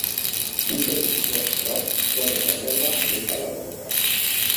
un petit gos ros corre per l'herba amb un pal a la boca